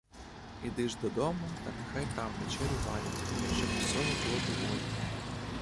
Іди ж додому, та нехай там вечерю варять, щоб усього було доволі.